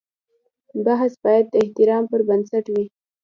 بحث باید د احترام پر بنسټ وي.